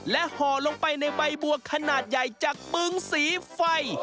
ห่อลงไปในใบบัวขนาดใหญ่จากบึงสีไฟ